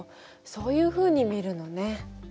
そういうふうに見るのね。